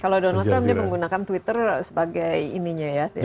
kalau donald trump dia menggunakan twitter sebagai ininya ya